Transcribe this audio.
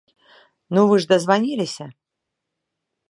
Ну вы ж дазваніліся?